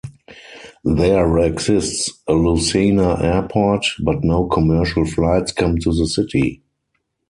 There exists a Lucena Airport, but no commercial flights come to the city.